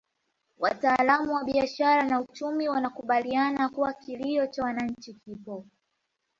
Wataalamu wa biashara na uchumi wanakubaliana kuwa kilio cha wananchi kipo